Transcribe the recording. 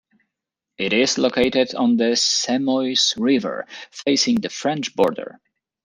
It is located on the Semois River, facing the French border.